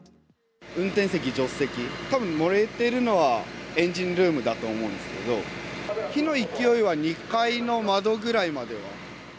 運転席、助手席、たぶん燃えてるのはエンジンルームだと思うんですけど、火の勢いは２階の窓ぐらいまでは。